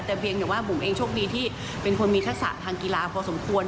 แต่เพียงแต่ว่าบุ๋มเองโชคดีที่เป็นคนมีทักษะทางกีฬาพอสมควร